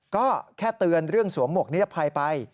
ก็แค่เตือนเรื่องสวมหมวกนิรภัยไป